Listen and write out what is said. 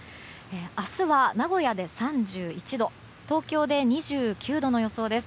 明日は名古屋で３１度東京で２９度の予想です。